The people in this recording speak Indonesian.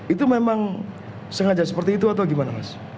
itu memang sengaja seperti itu atau gimana mas